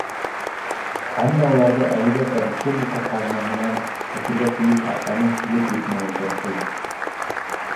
Әммә уларҙы әлегәсә республика ҡаҙнаһынан күсергә тейеш аҡсаның килеп етмәүе борсой.